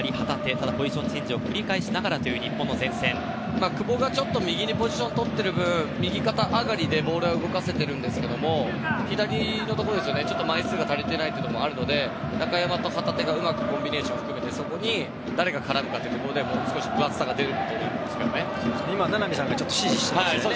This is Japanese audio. ただポジションチェンジを繰り返しながらという久保がちょっと右にポジションをとってる分右肩上がりでボールは動かせているんですけれども左のところ、ちょっと枚数が足りてないのもあるので中山と旗手がうまくコンビネーション含めてそこに誰が絡むかというところでもう少し分厚さが出てくると今、名波さんが指示していましたね。